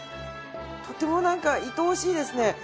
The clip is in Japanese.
とってもなんかいとおしいですね。